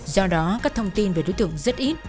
do đó các thông tin về đối tượng rất ít